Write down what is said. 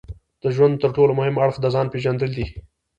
د ژوند ترټولو مهم اړخ د ځان پېژندل دي.